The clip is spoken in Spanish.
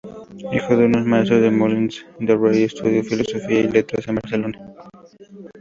Hijo de unos maestros de Molins de Rey, estudió Filosofía y Letras en Barcelona.